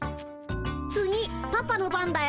次パパの番だよ。